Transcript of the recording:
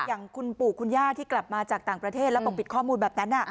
อย่างคุณปู่คุณย่าที่กลับมาจากต่างประเทศแล้วปกปิดข้อมูลแบบนั้น